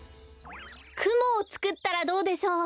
くもをつくったらどうでしょう？